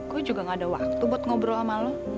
gue juga nggak ada waktu buat ngobrol sama lu